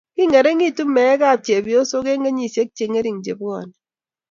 king'ering'iti meekab chepyosok eng' kenyisiek che ng'ering' che bwoni